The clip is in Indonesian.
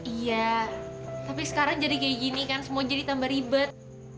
iya tapi sekarang jadi kayak gini kan semua jadi tambah ribet